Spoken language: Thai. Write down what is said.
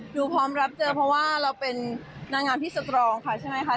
พร้อมรับเจอเพราะว่าเราเป็นนางงามที่สตรองค่ะใช่ไหมคะ